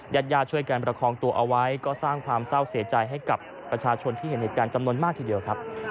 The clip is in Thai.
ญาติญาติช่วยกันประคองตัวเอาไว้ก็สร้างความเศร้าเสียใจให้กับประชาชนที่เห็นเหตุการณ์จำนวนมากทีเดียวครับ